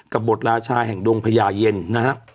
บทราชาแห่งดงพญาเย็นนะฮะ